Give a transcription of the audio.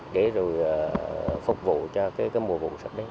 để rồi phục vụ cho mùa vụ sắp đến